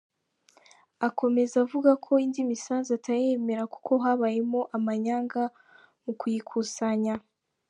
Akomeza avuga ko indi misanzu atayemera kuko habayemo amanyanga mu kuyikusanya.